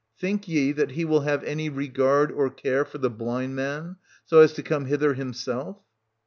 Think ye that he will have any regard or care for the blind man, so as to come hither himself.'